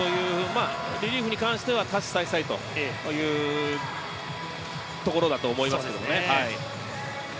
リリーフに関しては多種多才というところだと思いますね。